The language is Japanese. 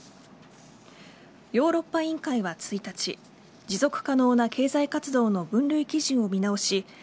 ヨーロッパ委員会は１日持続可能な経済活動の分類基準を見直し